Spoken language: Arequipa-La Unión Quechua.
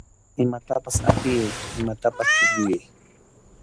Imatapas apiyay, imatapas chulluyay.